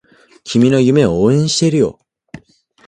君の夢を応援しているよ